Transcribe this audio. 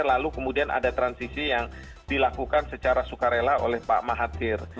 lalu kemudian ada transisi yang dilakukan secara sukarela oleh pak mahathir